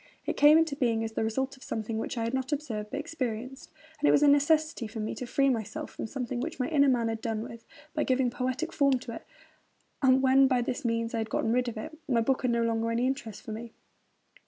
It came into being as the result of something which I had not observed, but experienced; it was a necessity for me to free myself from something which my inner man had done with, by giving poetic form to it; and, when by this means I had got rid of it, my book had no longer any interest for me.